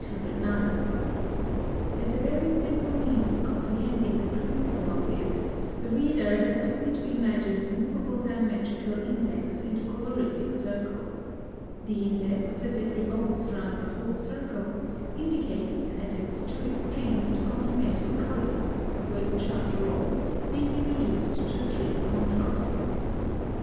As a very simple means of comprehending the principle of this, the reader has only to imagine a moveable diametrical index in the colorific circle. The index, as it revolves round the whole circle, indicates at its two extremes the complemental colours, which, after all, may be reduced to three contrasts.